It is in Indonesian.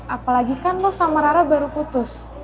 apalagi kan lo sama rara baru putus